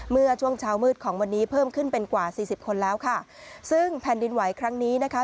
เมื่อช่วงเช้ามืดของวันนี้เพิ่มขึ้นเป็นกว่าสี่สิบคนแล้วค่ะซึ่งแผ่นดินไหวครั้งนี้นะคะ